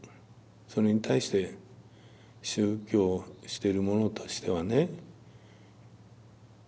それに対して宗教をしてる者としてはね。